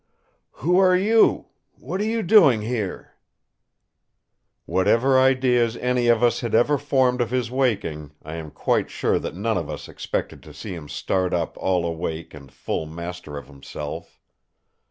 "Who are you? What are you doing here?" Whatever ideas any of us had ever formed of his waking, I am quite sure that none of us expected to see him start up all awake and full master of himself.